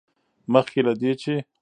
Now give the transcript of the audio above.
مخکې له دې، چې